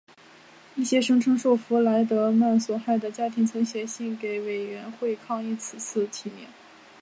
一些声称受弗雷德曼所害的家庭曾写信给委员会抗议此次提名。